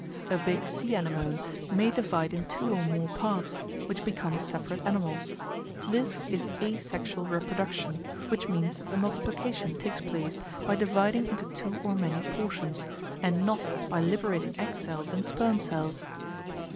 A big sea anemone may divide in two or more parts, which become separate animals. This is asexual reproduction, which means that the multiplication takes place by dividing into two or many portions, and not by liberating egg cells and sperm cells.